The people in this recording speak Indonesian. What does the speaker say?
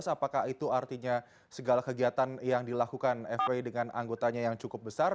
apakah itu artinya segala kegiatan yang dilakukan fpi dengan anggotanya yang cukup besar